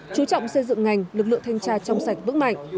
chú trọng xây dựng ngành lực lượng thanh tra trong sạch vững mạnh